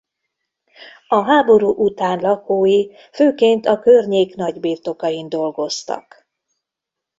A háború után lakói főként a környék nagybirtokain dolgoztak.